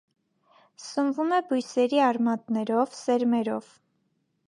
Սնվում է բույսերի արմատներով, սերմերով։